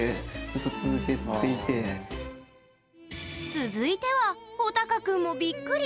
続いてはほたかくんもびっくり⁉